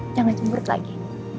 jangan cemberut lagi